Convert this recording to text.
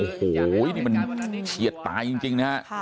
โอ้โหนี่มันเฉียดตายจริงนะฮะ